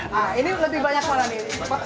nah ini lebih banyak mana nih